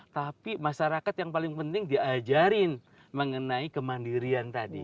tapi masyarakat yang paling penting diajarin mengenai kemandirian tadi